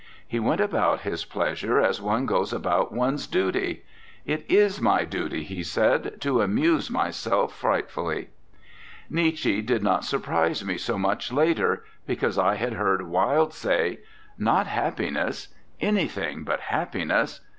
He went about his pleasure 43 RECOLLECTIONS OF OSCAR WILDE as one goes about one's duty. "It is my duty," he said, "to amuse myself frightfully." Nietzsche did not surprise me so much, later, because I had heard Wilde say: "Not happiness! Anything but happiness!